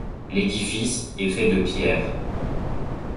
L'édifice est fait de pierre.